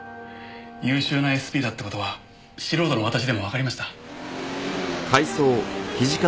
優秀なＳＰだって事は素人の私でもわかりました。